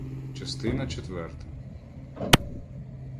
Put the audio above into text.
ЧАСТИНА ЧЕТВЕРТА